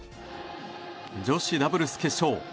女子ダブルス決勝。